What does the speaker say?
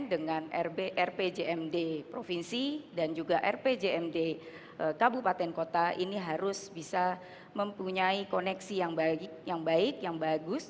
dengan rpjmd provinsi dan juga rpjmd kabupaten kota ini harus bisa mempunyai koneksi yang baik yang bagus